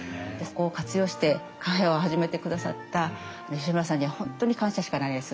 ここを活用してカフェを始めてくださった吉村さんには本当に感謝しかないです。